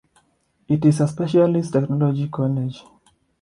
It is a specialist technology college.